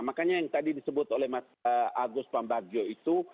makanya yang tadi disebut oleh mas agus pambagio itu